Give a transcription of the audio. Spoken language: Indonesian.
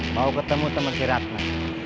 mau ketemu teman si ratna